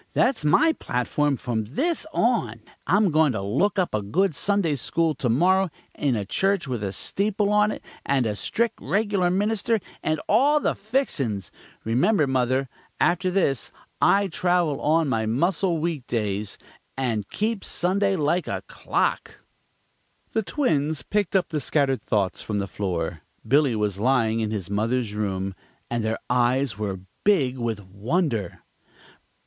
That's my platform from this on. I'm goin' to look up a good Sunday school to morrow, in a church with a steeple on it, and a strict, regular minister, and all the fixin's. Remember, mother, after this I travel on my muscle weekdays, and keep Sunday like a clock!" The twins picked up the scattered thoughts from the floor Billy was lying in his mother's room and their eyes were big with wonder.